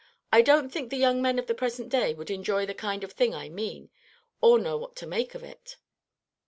I don't think the young men of the present day would enjoy the kind of thing I mean, or know what to make of it."